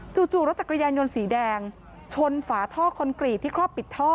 จู่รถจักรยานยนต์สีแดงชนฝาท่อคอนกรีตที่ครอบปิดท่อ